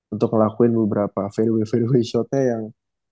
untuk ngelakuin beberapa fairway fairway shotnya yang